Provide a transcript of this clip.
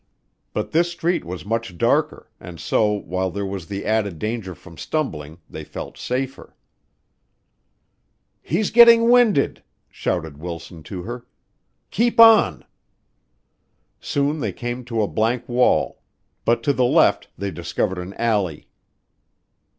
But this street was much darker, and so, while there was the added danger from stumbling, they felt safer. "He's getting winded," shouted Wilson to her. "Keep on." Soon they came to a blank wall, but to the left they discovered an alley.